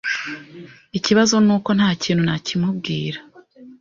Ikibazo nuko ntakintu nakimubwira.